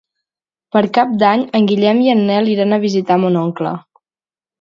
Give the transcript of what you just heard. Per Cap d'Any en Guillem i en Nel iran a visitar mon oncle.